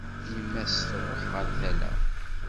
Yemma-s truḥ ɣer tala.